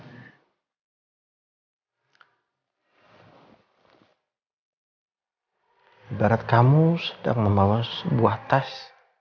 ibarat kamu sedang membawa sebuah tas